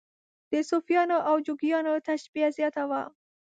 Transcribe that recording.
د صوفیانو او جوګیانو تشبیه زیاته وه.